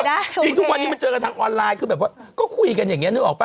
จริงทุกวันนี้มันเจอกันทางออนไลน์คือแบบว่าก็คุยกันอย่างนี้นึกออกป่